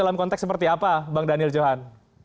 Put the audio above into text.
dalam konteks seperti apa bang daniel johan